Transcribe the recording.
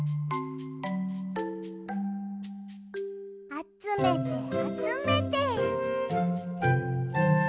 あつめてあつめて。